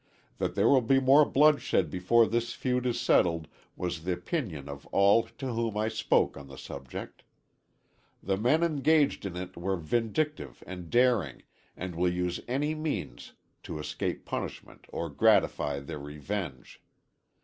That there will be more bloodshed before this feud is settled was the opinion of all to whom I spoke on the subject. The men engaged in it are vindictive and daring, and will use any means to escape punishment or gratify their revenge.